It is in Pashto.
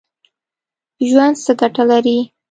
ژوند څه ګټه لري ؟